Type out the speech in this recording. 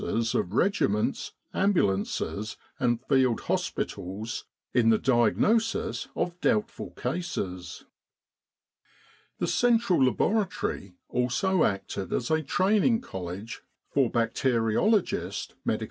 's of regiments, ambulances, and field hospitals in the diagnosis of doubtful cases. The central laboratory also acted as a training college for bacteriologist M.O.'